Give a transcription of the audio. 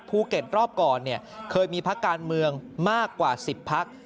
รอบก่อนเนี่ยเคยมีพักการเมืองมากกว่า๑๐พัก